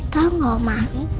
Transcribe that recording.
tau gak oma